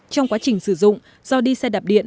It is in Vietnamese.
trong quá trình sử dụng do đi xe đạp điện